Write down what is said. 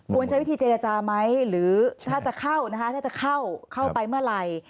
ใช้วิธีเจรจาไหมหรือถ้าจะเข้านะคะถ้าจะเข้าเข้าไปเมื่อไหร่